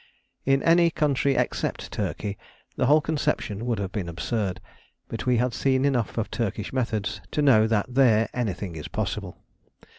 In any country except Turkey the whole conception would have been absurd; but we had seen enough of Turkish methods to know that there anything is possible.